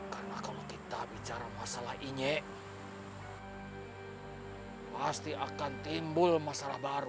karena kalau kita bicara masalah inyek pasti akan timbul masalah baru